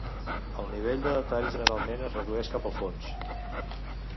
El nivell de detall generalment es redueix cap al fons.